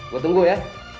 gue tunggu ya